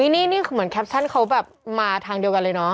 นี่คือเหมือนแคปชั่นเขาแบบมาทางเดียวกันเลยเนาะ